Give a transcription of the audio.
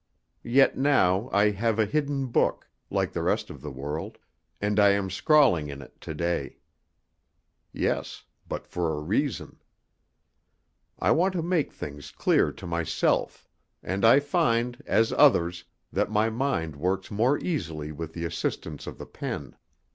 Yet now I have a hidden book, like the rest of the world, and I am scrawling in it to day. Yes, but for a reason. I want to make things clear to myself, and I find, as others, that my mind works more easily with the assistance of the pen.